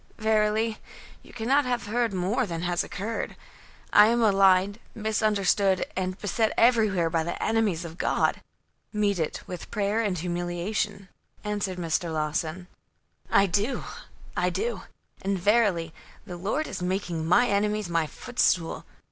"Verily you cannot have heard more than has occurred. I am maligned, misunderstood and beset everywhere by the enemies of God." "Meet it with prayer and humiliation," answered Mr. Lawson. "I do I do and, verily, the Lord is making my enemies my footstool.